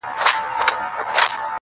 یو سړی په اصفهان کي دوکاندار وو.!